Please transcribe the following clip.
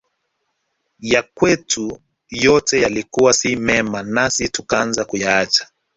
Yakwetu yote yalikuwa si mema nasi tukaanza kuyaacha